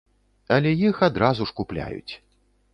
Але іх адразу ж купляюць.